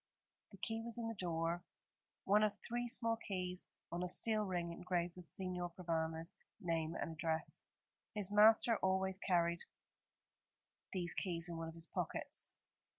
The key was in the door, one of three small keys on a steel ring engraved with Signor Provana's name and address. His master always carried these keys in one of his pockets.